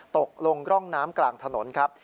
ตกลงร่องน้ำกลางถนนครับ